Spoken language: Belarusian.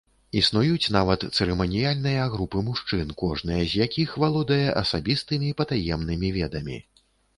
Існуюць нават цырыманіяльныя групы мужчын, кожная з якіх валодае асабістымі патаемнымі ведамі.